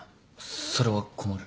それは困る。